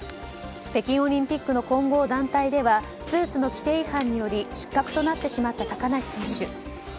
北京オリンピックの混合団体ではスーツの規定違反により失格となってしまった高梨選手。